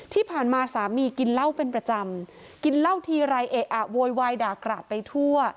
ที่ผ่านมาสามีกินเหล้าเป็นประจำกินเหล้าทีไรเอะอะโวยวายด่ากราดไปทั่ว